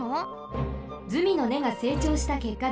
ズミのねがせいちょうしたけっかです。